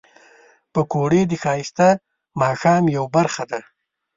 پکورې د ښایسته ماښام یو برخه ده